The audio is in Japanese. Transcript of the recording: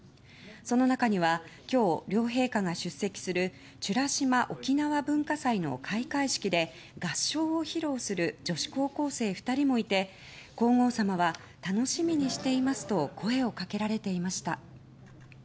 その中には今日両陛下が出席する美ら島おきなわ文化祭の開会式で合唱を披露する女子高校生２人もいて皇后さまは楽しみにしていますと声をかけられていました。